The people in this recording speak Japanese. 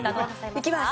いきます！